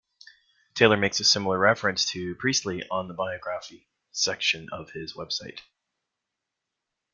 Taylor makes a similar reference to Priestley on the biography section of his website.